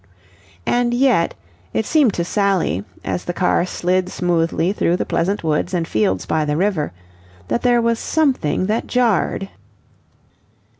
And yet... it seemed to Sally, as the car slid smoothly through the pleasant woods and fields by the river, that there was something that jarred.